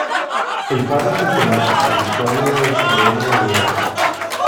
El faro es automático y dispone de sirena de niebla.